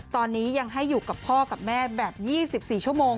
ตอนนี้ยังให้อยู่กับพ่อกับแม่แบบ๒๔ชั่วโมง